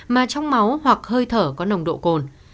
mà trong máu hoặc hơi thở có nồng độ cồn